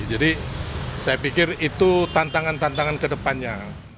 jadi saya pikir itu tantangan tantangan ke depannya